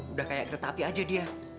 udah kaya kretapi aja dia